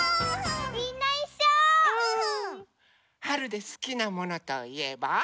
はるですきなものといえば？